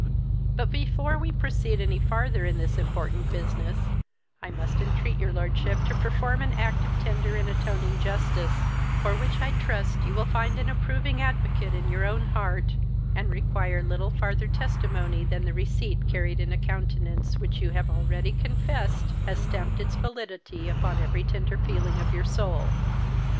But, before we proceed any farther in this important business, I must entreat your lordship to perform an act of tender and atoning justice, for which I trust you will find an approving advocate in your own heart, and require little farther testimony than the receipt carried in a countenance which you have already confessed has stamped its validity upon every tender feeling of your soul.